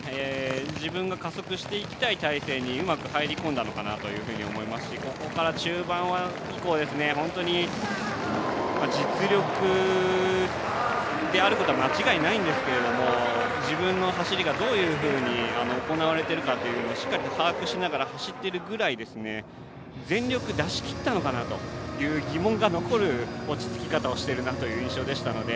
自分が加速していきたい体勢にうまく入り込んだのかなと思いますし中盤以降本当に実力であることは間違いないんですけれども自分の走りが、どういうふうに行われているかというのをしっかりと把握しながら走っているぐらい全力を出しきったのかなという疑問が残る落ち着き方をしているなという印象でしたので。